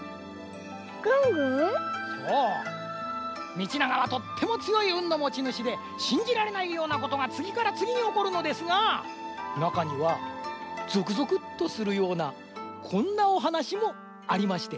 みちながはとってもつよいうんのもちぬしでしんじられないようなことがつぎからつぎにおこるのですがなかにはゾクゾクッとするようなこんなおはなしもありまして。